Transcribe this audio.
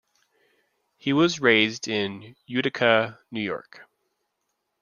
He was raised in Utica, New York.